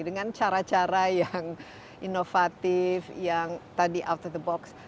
dengan cara cara yang inovatif yang tadi out of the box